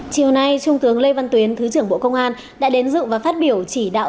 chiều nay trung tướng lê văn tuyến thứ trưởng bộ công an đã đến dự và phát biểu chỉ đạo